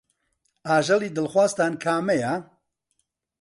ئاژەڵی دڵخوازتان کامەیە؟